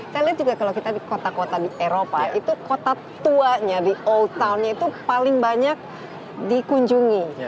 saya lihat juga kalau kita di kota kota di eropa itu kota tuanya di old townnya itu paling banyak dikunjungi